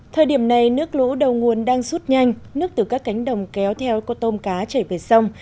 thời điểm này nước lũ đầu nguồn đang rút nhanh nước từ các cánh đồng kéo theo có tôm cá chảy về sông